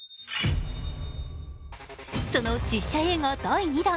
その実写映画第２弾